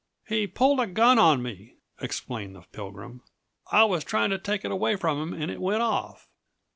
"He pulled a gun on me," explained the Pilgrim. "I was trying to take it away from him, and it went off."